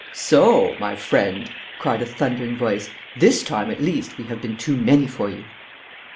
'So, my friend,' cried a thundering voice, 'this time, at least, we have been too many for you.'